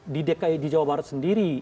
di dki di jawa barat sendiri